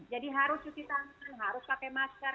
jadi harus cuci tangan harus pakai masker